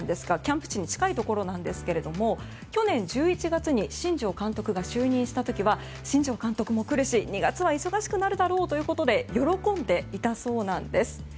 キャンプ地に近いところなんですが去年１１月に新庄監督が就任した時は新庄監督も来るし２月は忙しくなるだろうと喜んでいたそうなんです。